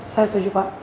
saya setuju pak